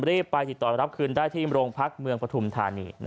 รีบไปติดต่อรับคืนได้ที่โรงพักเมืองปฐุมธานี